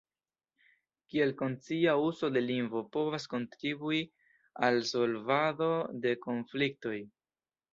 Kiel konscia uzo de lingvo povas kontribui al solvado de konfliktoj?